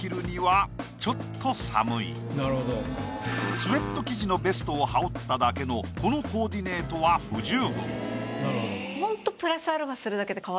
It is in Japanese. スエット生地のベストを羽織っただけのこのコーディネートは不十分。